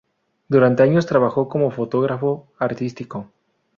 Durante años trabajó como fotógrafo artístico.